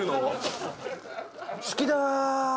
好きだ！